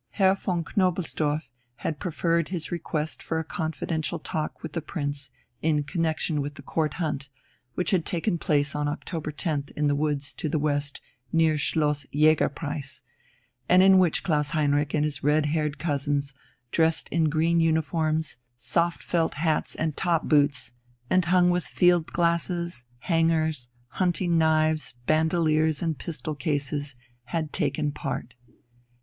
Herr von Knobelsdorff had preferred his request for a confidential talk with the Prince in connexion with the Court Hunt, which had taken place on October 10th in the woods to the west near Schloss "Jägerpreis," and in which Klaus Heinrich and his red haired cousins, dressed in green uniforms, soft felt hats, and top boots, and hung with field glasses, hangers, hunting knives, bandoliers, and pistol cases, had taken part.